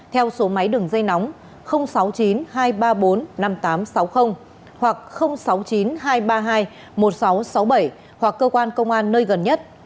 theo số máy đường dây nóng sáu mươi chín hai trăm ba mươi bốn năm nghìn tám trăm sáu mươi hoặc sáu mươi chín hai trăm ba mươi hai một nghìn sáu trăm sáu mươi bảy hoặc cơ quan công an nơi gần nhất